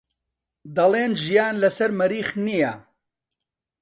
دەڵێن ژیان لەسەر مەریخ نییە.